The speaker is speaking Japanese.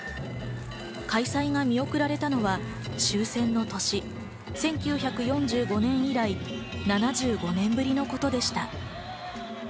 開催が見送られのは、終戦の年、１９４５年以来７５年ぶりのことでした。